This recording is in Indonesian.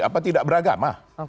apa tidak beragama